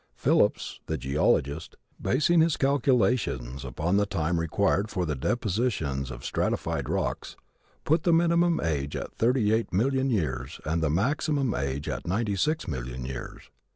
Phillips, the geologist, basing his calculations upon the time required for the depositions of the stratified rocks, put the minimum age at thirty eight million years and the maximum age at ninety six million years.